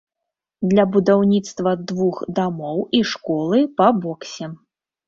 Для будаўніцтва двух дамоў і школы па боксе.